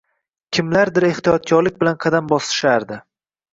Kimlardir ehtiyotkorlik bilan qadam bosishardi.